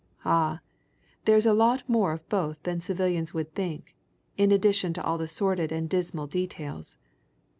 "Ah, there's a lot more of both than civilians would think, in addition to all the sordid and dismal details.